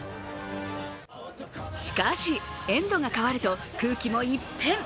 しかし、エンドが変わると空気も一変。